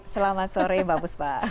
selamat sore mbak buspa